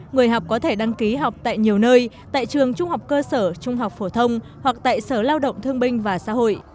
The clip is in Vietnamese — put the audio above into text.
người học có thể đăng ký học tại nhiều nơi tại trường trung học cơ sở trung học phổ thông hoặc tại sở lao động thương binh và xã hội